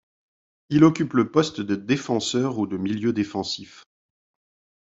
Il occupe le poste de défenseur ou de milieu défensif.